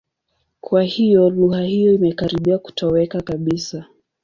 Kwa hiyo lugha hiyo imekaribia kutoweka kabisa.